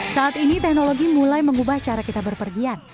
saat ini teknologi mulai mengubah cara kita berpergian